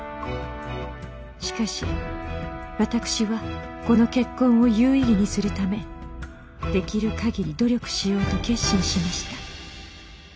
しかし私はこの結婚を有意義にするためできる限り努力しようと決心しました。